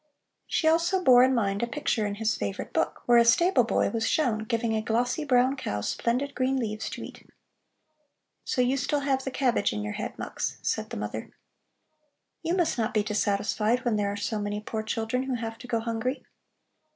She also bore in mind a picture in his favorite book, where a stable boy was shown giving a glossy brown cow splendid green leaves to eat. "So you still have the cabbage in your head, Mux?" said the mother. "You must not be dissatisfied when there are so many poor children who have to go hungry.